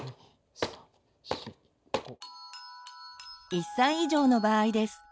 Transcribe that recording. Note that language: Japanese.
１歳以上の場合です。